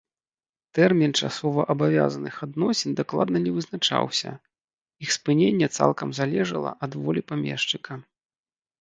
Тэрмін часоваабавязаных адносін дакладна не вызначаўся, іх спыненне цалкам залежала ад волі памешчыка.